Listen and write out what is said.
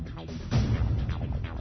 mọi người đã vào vị trí chưa